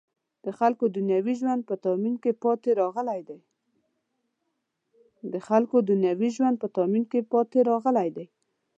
د خلکو دنیوي ژوند په تأمین کې پاتې راغلی دی.